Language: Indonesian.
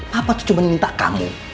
papa tuh cuma minta kamu